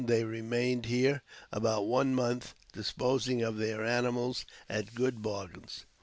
They remained here about one month disposing of their animals at good bargains.